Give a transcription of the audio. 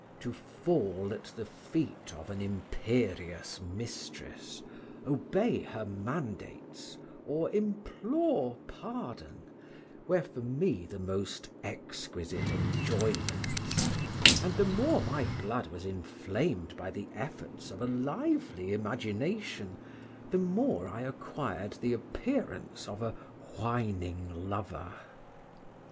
To fall at the feet of an imperious mistress, obey her mandates, or implore pardon, were for me the most exquisite enjoyments, and the more my blood was inflamed by the efforts of a lively imagination the more I acquired the appearance of a whining lover.